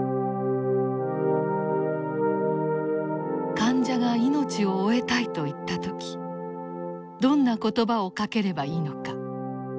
患者が命を終えたいと言ったときどんな言葉をかければいいのか。